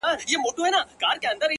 ډبري غورځوې تر شا لاسونه هم نيسې!